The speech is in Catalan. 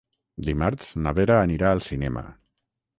Dimarts na Vera anirà al cinema.